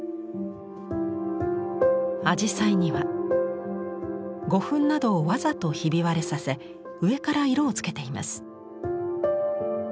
あじさいには胡粉などをわざとひび割れさせ上から色をつけています。